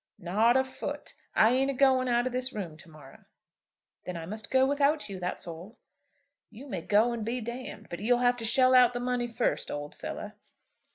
"Not a foot; I ain't a going out of this room to morrow." "Then I must go without you; that's all." "You may go and be . But you'll have to shell out the money first, old fellow."